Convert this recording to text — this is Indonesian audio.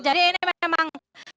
jadi ini memang